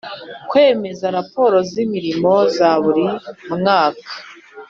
Kwemeza raporo z imirimo za buri mwaka